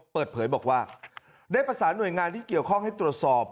เปิดเผยบอกว่าได้ประสานหน่วยงานที่เกี่ยวข้องให้ตรวจสอบ